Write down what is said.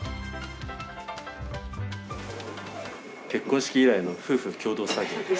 結婚式以来の夫婦の共同作業です。